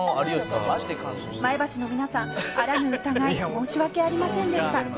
「前橋の皆さんあらぬ疑い申し訳ありませんでした」